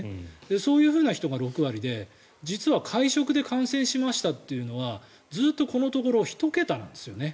そういう人が６割で、実は会食で感染しましたというのはずっとこのところ１桁なんですよね。